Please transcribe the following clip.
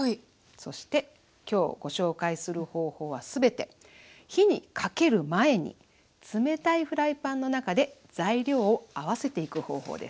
そして今日ご紹介する方法は全て火にかける前に冷たいフライパンの中で材料を合わせていく方法です。